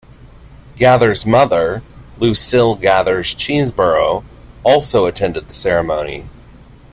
Gathers' mother, Lucille Gathers Cheeseboro, also attended the ceremony.